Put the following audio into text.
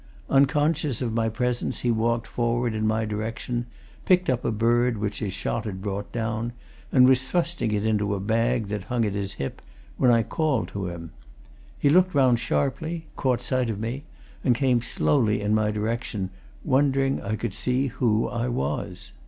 Unconscious of my presence he walked forward in my direction, picked up a bird which his shot had brought down, and was thrusting it into a bag that hung at his hip, when I called to him. He looked round sharply, caught sight of me, and came slowly in my direction, wondering, I could see, who I was.